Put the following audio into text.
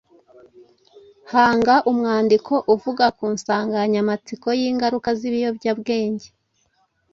Hanga umwandiko uvuga ku nsanganyamatsiko y’ingaruka z’ibiyobyabwenge